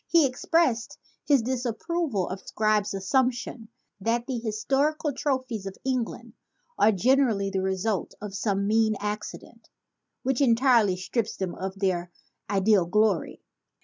He expressed his disapproval of Scribe's assumption that "the historical trophies of England are generally the result of some mean accident, which entirely strips them of their ideal glory."